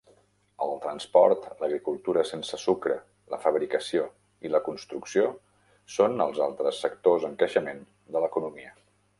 El transport, l'agricultura sense sucre, la fabricació i la construcció són els altres sectors en creixement de l'economia.